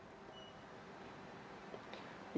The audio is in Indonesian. apakah sudah ada kepastian di kelompok